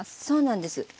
そうなんです。